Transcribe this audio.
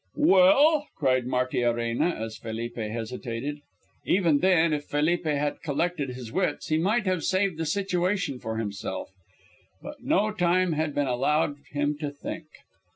"Well?" cried Martiarena as Felipe hesitated. Even then, if Felipe could have collected his wits, he might have saved the situation for himself. But no time had been allowed him to think.